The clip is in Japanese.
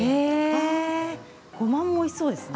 ごまもおいしそうですね。